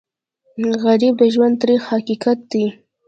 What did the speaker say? غریب د ژوند تریخ حقیقت دی